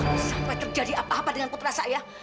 sampai terjadi apa apa dengan putra saya